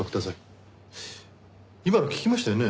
今の聞きましたよね？